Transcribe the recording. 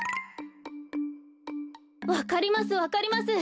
わかりますわかります。